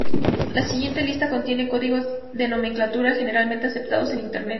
La siguiente lista contiene códigos de nomenclatura generalmente aceptados en Internet.